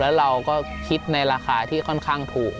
แล้วเราก็คิดในราคาที่ค่อนข้างถูก